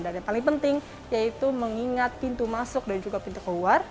dan yang paling penting yaitu mengingat pintu masuk dan juga pintu keluar